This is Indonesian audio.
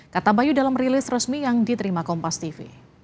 kata bayu dalam rilis resmi yang diterima kompas tv